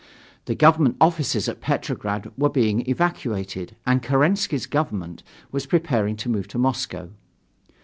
The government offices at Petrograd were being evacuated, and Kerensky's government was preparing to move to Moscow.